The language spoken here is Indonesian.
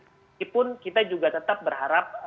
walaupun kita juga tetap berharap